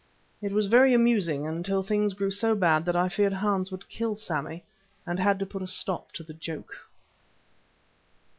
It was very amusing until things grew so bad that I feared Hans would kill Sammy, and had to put a stop to the joke.